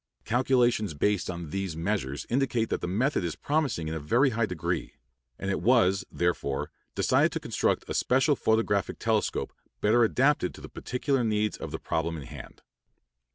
Calculations based on these measures indicate that the method is promising in a very high degree; and it was, therefore, decided to construct a special photographic telescope better adapted to the particular needs of the problem in hand.